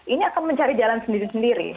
ini akan mencari jalan sendiri sendiri